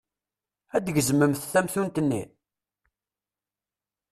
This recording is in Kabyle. Ad d-gezmemt tamtunt-nni?